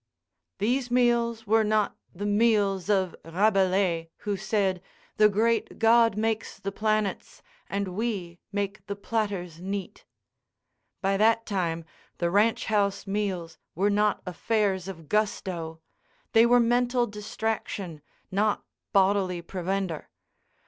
These meals were not the meals of Rabelais who said, "the great God makes the planets and we make the platters neat." By that time, the ranch house meals were not affairs of gusto; they were mental distraction, not bodily provender.